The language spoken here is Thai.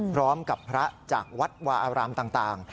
พร้อมกับพระจากวัดวาอารามต่าง